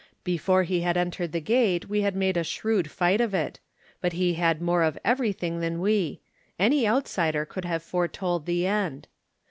Before he en tered the gate we had made a shrewd fight of it; but he had more of everything than we — any outsider would have foretold the end.